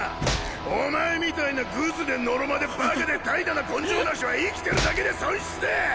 お前みたいなグズでノロマでバカで怠惰な根性なしは生きてるだけで損失だ！